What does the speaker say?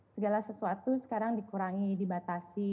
segala sesuatu sekarang dikurangi dibatasi